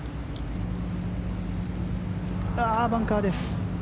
バンカーです。